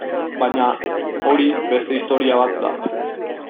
Baina hori beste historia bat da.